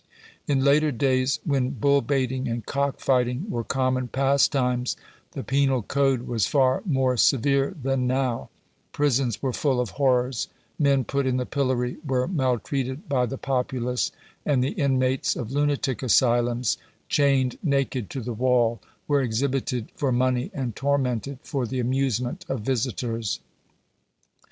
In later days, when bull baiting and cock fighting were common pastimes, the penal code was far more severe than now; prisons were full of horrors ; men put in the pillory were maltreated by the Digitized by VjOOQIC 412 GENERAL CONSIDERATIONS. populace ; and the inmates of lunatic asylums, chained naked to the wall, were exhibited for money, and tormented for the amusement of visitors.